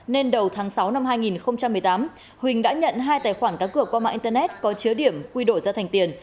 nên đầu tháng sáu năm hai nghìn một mươi tám huynh đã nhận hai tài khoản cán cực qua mạng internet có chứa điểm quy đổi ra thành tiền